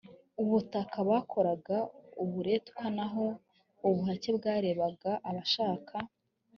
ubutaka bakoraga uburetwa naho ubuhake bwarebaga abashaka